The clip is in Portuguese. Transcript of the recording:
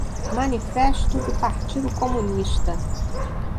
Manifesto do Partido Comunista